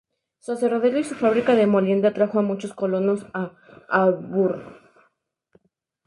Su aserradero y su fábrica de molienda atrajo a muchos colonos a Auburn.